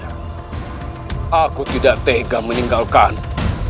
aku tidak tega meninggalkannya